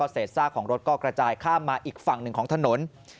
เศษซากของรถก็กระจายข้ามมาอีกฝั่งหนึ่งของถนน